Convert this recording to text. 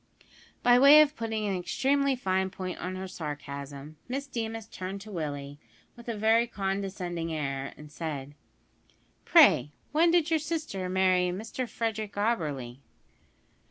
By way of putting an extremely fine point on her sarcasm, Miss Deemas turned to Willie, with a very condescending air, and said: "Pray, when did your sister marry Mr Frederick Auberly?"